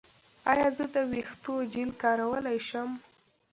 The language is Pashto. ایا زه د ویښتو جیل کارولی شم؟